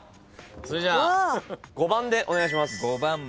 それじゃあ５番でお願いします。